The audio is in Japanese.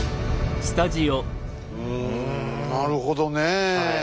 うんなるほどねえ。